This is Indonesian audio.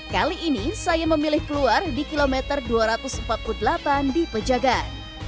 kali ini saya memilih keluar di kilometer dua ratus empat puluh delapan di pejagan